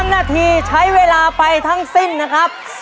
นาทีใช้เวลาไปทั้งสิ้นนะครับ